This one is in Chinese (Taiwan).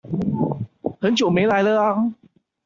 很久沒來了啊！